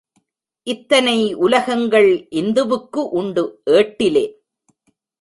இத்தனை உலகங்கள் இந்துவுக்கு உண்டு ஏட்டிலே.